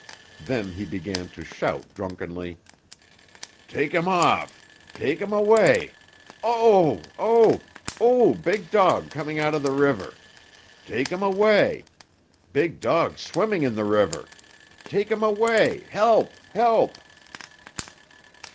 Then he began to shout drunkenly: "Take him off, take him away! Oh, oh, oh! Big dog coming out of the river. Take him away. Big dog swimming in the river. Take him away. Help, help!"